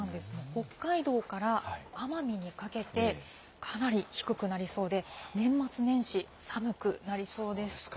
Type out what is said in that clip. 北海道から奄美にかけて、かなり低くなりそうで、年末年始、寒くなりそうです。